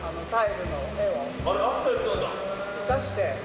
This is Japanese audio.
生かして。